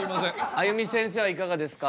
あゆみせんせいはいかがですか？